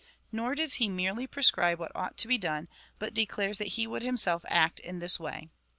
Nor does he merely prescribe what ought to be done, but declares that he would himself act in this way.